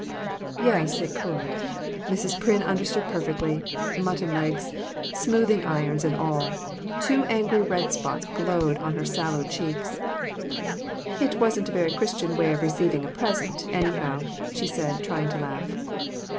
Yes, it could ; Mrs. Pryn understood perfectly mutton legs, smoothing irons and all; two angry red spots glowed on her sallow cheeks. "It wasn't a very Christian way of receiving a present, anyhow," she said, trying to laugh.